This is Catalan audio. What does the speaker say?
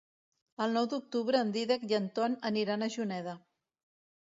El nou d'octubre en Dídac i en Ton aniran a Juneda.